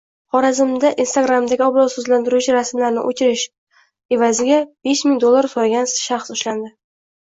Xorazmda Instagram’dagi obro‘sizlantiruvchi rasmlarni o‘chirish evazigabeshming dollar so‘ragan shaxs ushlandi